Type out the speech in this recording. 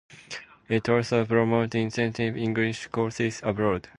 It also promotes intensive English courses abroad.